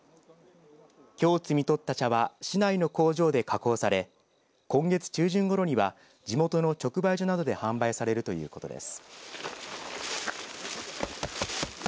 きょう摘み取った茶は市内の工場で加工され今月中旬ごろには地元の直売所などで販売されるということです。